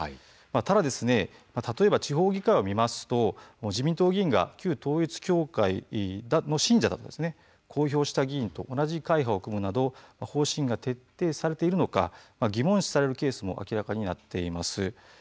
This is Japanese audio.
ただ、例えば地方議会を見ますと自民党議員が旧統一教会の信者だったんですね公表した議員と同じ方針が徹底されているのか疑問視されるケースも明らかになっています。